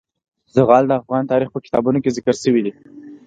زغال د افغان تاریخ په کتابونو کې ذکر شوی دي.